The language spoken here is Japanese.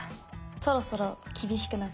そろそろ厳しくなって。